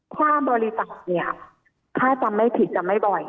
ความบริษัทค่ายทำไม่ผิดจะไม่บ่อย